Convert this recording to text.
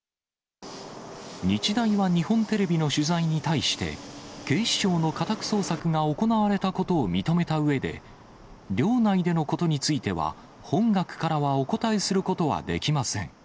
日大は日本テレビの取材に対して、警視庁の家宅捜索が行われたことを認めたうえで、寮内でのことについては、本学からはお答えすることはできません。